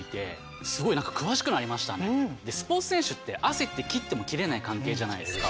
スポーツ選手って汗って切っても切れない関係じゃないですか。